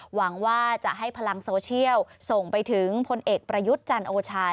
หวังว่าจะให้พลังโซเชียลส่งไปถึงพลเอกประยุทธ์จันโอชา